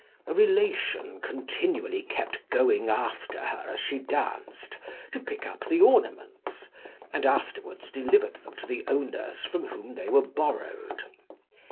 A relation continually kept going after her as she danced, to pick up the ornaments, and afterwards delivered them to the owners from whom they were borrowed.